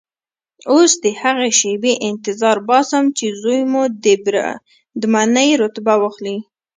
اوس د هغې شېبې انتظار باسم چې زوی مو د بریدمنۍ رتبه واخلي.